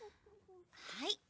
はい。